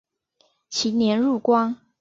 其年入关。